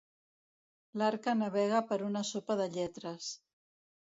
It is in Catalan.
L'Arca navega per una sopa de lletres.